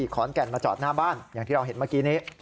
ขอนแก่นมาจอดหน้าบ้านอย่างที่เราเห็นเมื่อกี้นี้